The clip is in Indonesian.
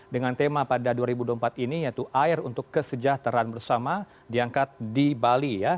dengan tema pada dua ribu dua puluh empat ini yaitu air untuk kesejahteraan bersama diangkat di bali